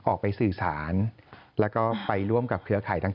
ออกไปสื่อสารแล้วก็ไปร่วมกับเครือข่ายต่าง